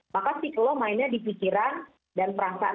maka sih kalau mainnya di pikiran dan perasaan